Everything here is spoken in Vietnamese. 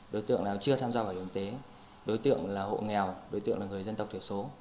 đối tượng nào chưa tham gia bảo hiểm y tế đối tượng là hộ nghèo đối tượng là người dân tộc thiểu số